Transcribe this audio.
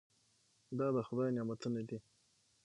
دا د خدای نعمتونه دي.